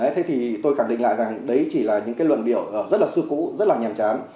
thế thì tôi khẳng định lại rằng đấy chỉ là những luận điểu rất là sư cũ rất là nhàm chán